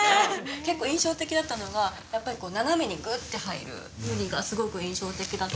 結構印象的だったのがやっぱりこう斜めにグッて入る振りがすごく印象的だった